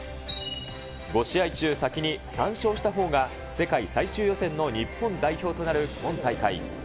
５試合中、先に３勝したほうが、世界最終予選の日本代表となる今大会。